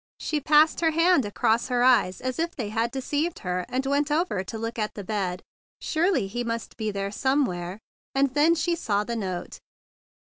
She passed her hand across her eyes as if they had deceived her, and went over to look at the bed. Surely he must be there somewhere! And then she saw the note.